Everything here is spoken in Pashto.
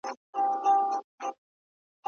دغه ونه په پسرلي کي شنه کېږي.